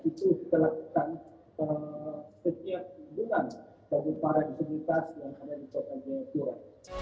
itu telah kita kejadian guna bagi para integritas yang ada di kota jaya tura